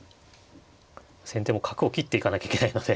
先手も角を切っていかなきゃいけないので。